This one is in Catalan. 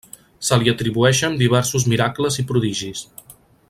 Se li atribueixen diversos miracles i prodigis.